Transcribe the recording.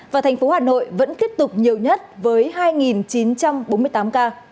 và thành phố hà nội vẫn tiếp tục nhiều nhất với hai chín trăm bốn mươi tám ca